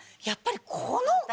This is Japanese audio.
やっぱりこの。